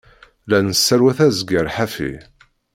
La nesserwat azeggar ḥafi.